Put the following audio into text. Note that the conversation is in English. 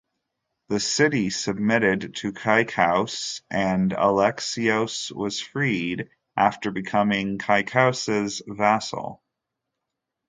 The city submitted to Kaykaus and Alexios was freed after becoming Kaykaus' vassal.